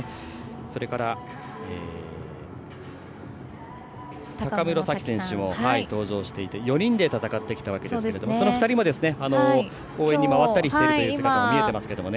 それから、高室冴綺選手も登場してきて４人で戦ってきたわけですが選手たちも応援に回ったりしているという姿も見えていますね。